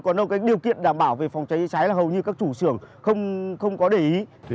còn điều kiện đảm bảo về phòng cháy cháy là hầu như các chủ xưởng không có để ý